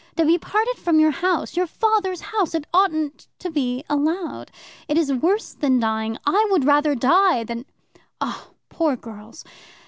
To be parted from your house, your father's house it oughtn't to be allowed. It is worse than dying. I would rather die than Oh, poor girls!